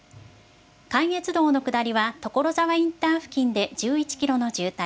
関越道の下りは所沢インター付近で１１キロの渋滞。